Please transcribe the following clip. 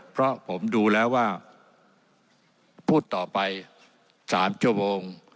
เพราะผมดูแล้วว่าพูดต่อไป๓ชั่วโมง